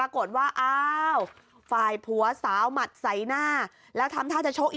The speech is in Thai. กลายเป็นว่า